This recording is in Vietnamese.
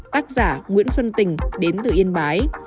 tác giả nguyễn xuân tình đến từ yên bái